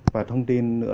và thông tin nữa